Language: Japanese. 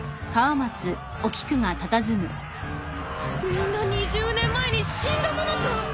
みんな２０年前に死んだものと。